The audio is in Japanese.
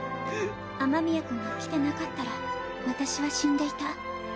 雨宮君が来てなかったら私は死んでいた。